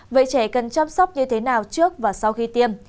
vậy trẻ cần chăm sóc như thế nào trước và sau khi tiêm